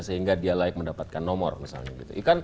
sehingga dia layak mendapatkan nomor misalnya gitu